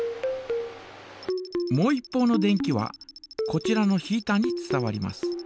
もう一方の電気はこちらのヒータに伝わります。